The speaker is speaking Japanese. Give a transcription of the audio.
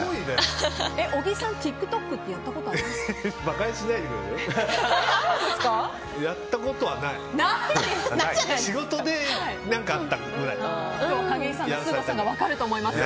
小木さん、ＴｉｋＴｏｋってやったことあります？